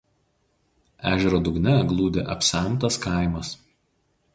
Ežero dugne glūdi apsemtas kaimas.